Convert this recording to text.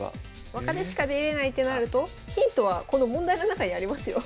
若手しか出れないってなるとヒントはこの問題の中にありますよ。